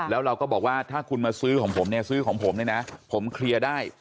แล้วเราก็บอกว่าถ้าคุณมาซื้อของผมเนี่ยซื้อของผมเนี่ยนะผมเคลียร์ได้